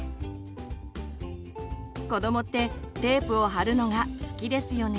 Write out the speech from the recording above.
子どもってテープを貼るのが好きですよね。